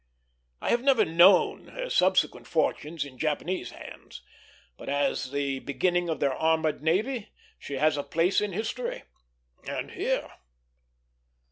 I have never known her subsequent fortunes in Japanese hands; but as the beginning of their armored navy she has a place in history and here.